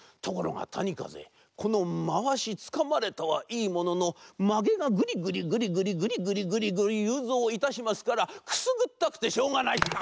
ところがたにかぜこのまわしつかまれたはいいもののまげがぐりぐりぐりぐりぐりぐりぐりぐりゆうぞういたしますからくすぐったくてしょうがない。